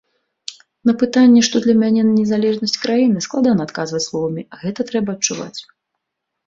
На пытанне, што для мяне незалежнасць краіны, складана адказваць словамі, гэта трэба адчуваць.